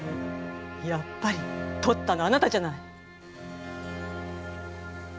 やっぱりとったのあなたじゃない！